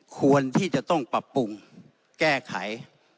ควรที่จะต้องปรับปรุงแก้ไข